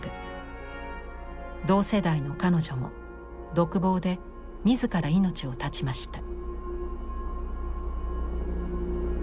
同世代の彼女も独房で自ら命を絶ちました。